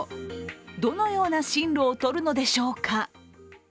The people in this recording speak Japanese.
どのような進路をとるのでしょうか。